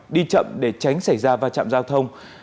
đi chậm để tránh xảy ra va chạm giao thông